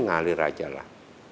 ngalir aja lah